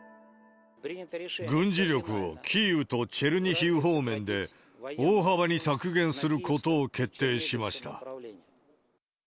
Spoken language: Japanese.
軍事力をキーウとチェルニヒウ方面で大幅に削減することを決定しました。